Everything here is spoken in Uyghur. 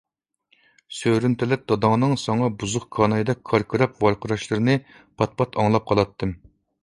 سۆرۈن تەلەت داداڭنىڭ ساڭا بۇزۇق كانايدەك كاركىراپ ۋارقىراشلىرىنى پات-پات ئاڭلاپ قالاتتىم.